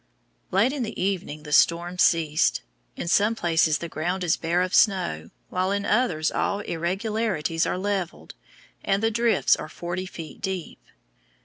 Late in the evening the storm ceased. In some places the ground is bare of snow, while in others all irregularities are leveled, and the drifts are forty feet deep.